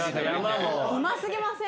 うま過ぎません？